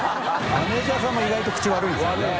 マネージャーさんも意外とクチ悪いですよね。